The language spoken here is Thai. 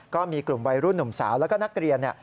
ก็มีกลุ่มวัยรุ่นหนุ่มสาวแล้วก็นักเรียน